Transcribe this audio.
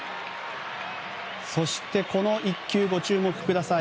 そしてこの１球ご注目ください。